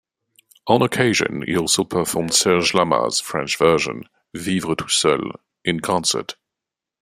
On occasion he also performed Serge Lama's French version, "Vivre tout seul", in concert.